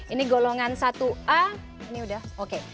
ini golongan satu a ini udah oke